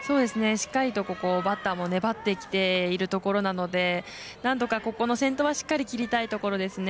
しっかりとバッターも粘ってきているところなのでなんとかここの先頭はしっかり切りたいところですね。